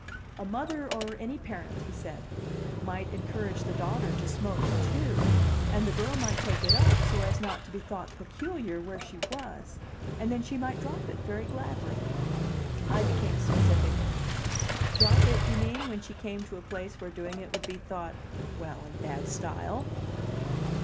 "A mother or any parent," he said, "might encourage the daughter to smoke, too. And the girl might take it up so as not to be thought peculiar where she was, and then she might drop it very gladly." I became specific. "Drop it, you mean, when she came to a place where doing it would be thought well, in bad style?"